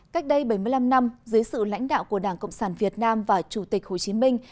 cách đây bảy mươi năm năm dưới sự lãnh đạo của đảng cộng sản việt nam và chủ tịch hồ chí minh